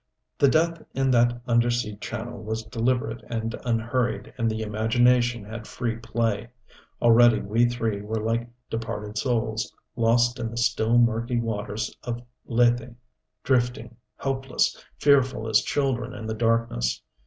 The death in that undersea channel was deliberate and unhurried, and the imagination had free play. Already we three were like departed souls, lost in the still, murky waters of Lethe drifting, helpless, fearful as children in the darkness.